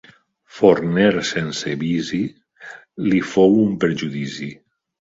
Forner sense vici li fou un perjudici.